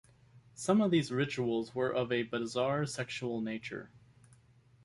Some of these rituals were of a bizarre sexual nature.